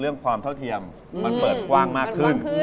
ความเท่าเทียมมันเปิดกว้างมากขึ้น